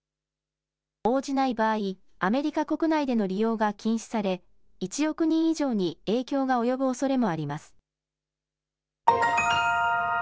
応じない場合、アメリカ国内での利用が禁止され１億人以上に影響が及ぶおそれもあります。